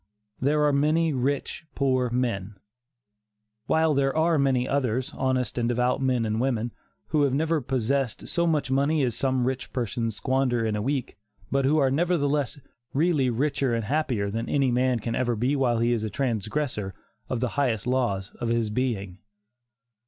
"There are many rich poor men," while there are many others, honest and devout men and women, who have never possessed so much money as some rich persons squander in a week, but who are nevertheless really richer and happier than any man can ever be while he is a transgressor of the higher laws of his being.